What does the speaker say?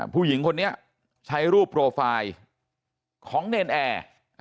ผู้หญิงคนนี้ใช้รูปโปรไฟล์ของเนรนแอร์